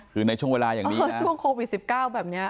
คือในช่วงเวลาอย่างนี้ช่วงโควิด๑๙แบบนี้